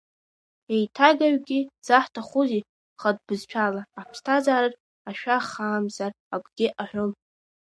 Еиҭагаҩгьы дзаҳҭахузеи хатә бызшәала, аԥсҭазараҿ ашәахаамзар акгьы аҳәом.